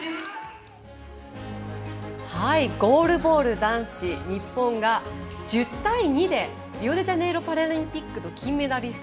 ゴールボール男子日本が１０対２でリオデジャネイロパラリンピック金メダリスト